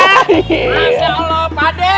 masya allah pak d